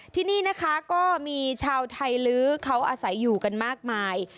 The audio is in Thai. ที่นี่นะคะก็มีชาวไทยลื้อเขาอาศัยอยู่กันมากมาย